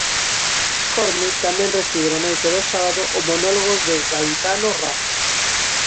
Corme tamén recibe na noite do sábado o monólogo do gaditano Rafa.